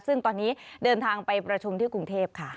ซึ่งตอนนี้เดินทางไปประชุมที่กรุงเทพค่ะ